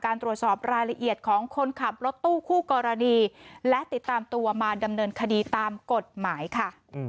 ตรวจสอบรายละเอียดของคนขับรถตู้คู่กรณีและติดตามตัวมาดำเนินคดีตามกฎหมายค่ะ